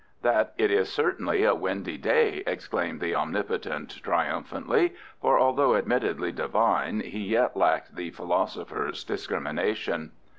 "That it is certainly a windy day," exclaimed the omnipotent triumphantly, for although admittedly divine, he yet lacked the philosopher's discrimination.